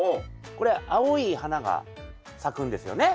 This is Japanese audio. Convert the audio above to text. これ青い花が咲くんですよね？